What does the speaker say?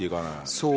そう。